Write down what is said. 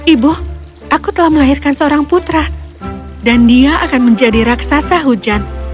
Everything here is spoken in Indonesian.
ibu aku telah melahirkan seorang putra dan dia akan menjadi raksasa hujan